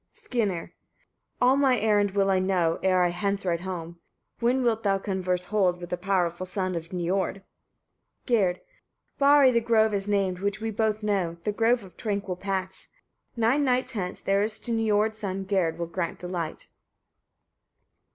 Skirnir. 38. All my errand will I know, ere I hence ride home. When wilt thou converse hold with the powerful son of Niord? Gerd. 39. Barri the grove is named, which we both know, the grove of tranquil paths. Nine nights hence, there to Niord's son Gerd will grant delight.